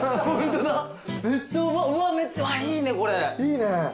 めっちゃいいねこれ。